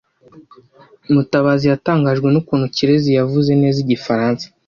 Mutabazi yatangajwe n'ukuntu Kirezi yavuze neza Igifaransa.